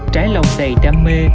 trái lòng đầy đam mê